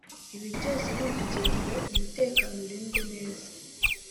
Ibi byose ni ukugira ngo umuteakono urindwe neza